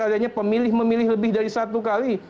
adanya pemilih memilih lebih dari satu kali